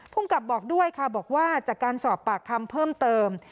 กับบอกด้วยค่ะบอกว่าจากการสอบปากคำเพิ่มเติม